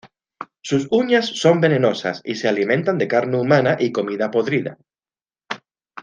Sus uñas son venenosas y se alimentan de carne humana y comida podrida.